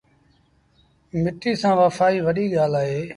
مٽيٚ سآݩ وڦآئيٚ وڏي ڳآل اهي۔